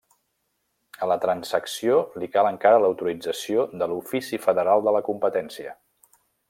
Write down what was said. A la transacció li cal encara l'autorització de l'Ofici Federal de la Competència.